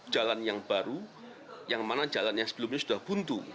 jalan yang baru yang mana jalan yang sebelumnya sudah buntu